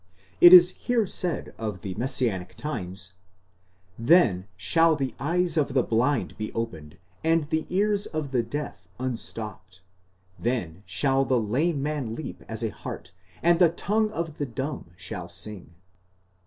It is here said of the messianic times: Zhen shall the eyes of the blind be opened and the ears of the deaf unstopped ; then shall the lame man leap as a hart, and the tongue of the dumb shall sing.